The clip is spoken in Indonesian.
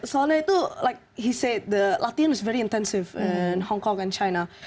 soalnya itu seperti yang dia katakan latihan sangat intensif di hong kong dan china